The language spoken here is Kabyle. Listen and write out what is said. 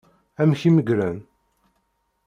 Amek i meggren?